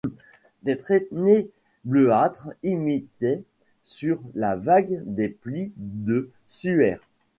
Des traînées bleuâtres imitaient sur la vague des plis de suaire.